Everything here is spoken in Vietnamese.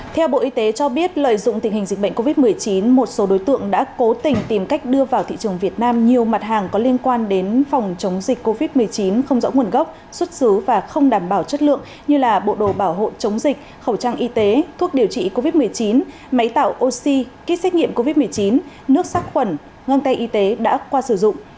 theo bộ y tế cho biết lợi dụng tình hình dịch bệnh covid một mươi chín một số đối tượng đã cố tình tìm cách đưa vào thị trường việt nam nhiều mặt hàng có liên quan đến phòng chống dịch covid một mươi chín không rõ nguồn gốc xuất xứ và không đảm bảo chất lượng như là bộ đồ bảo hộ chống dịch khẩu trang y tế thuốc điều trị covid một mươi chín máy tạo oxy kích xét nghiệm covid một mươi chín nước sắc khuẩn ngân tay y tế đã qua sử dụng